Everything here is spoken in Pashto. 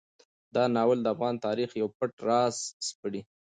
دا ناول د افغان تاریخ یو پټ راز سپړي.